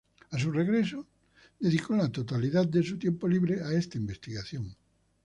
A su regreso, dedicó la totalidad de su tiempo libre a esta investigación.